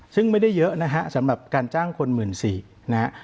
ซึ่งไม่ได้เยอะนะฮะสำหรับการจ้างคน๑๔๐๐นะฮะ